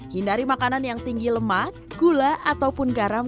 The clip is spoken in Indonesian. hindari makanan yang tinggi lemak gula ataupun garam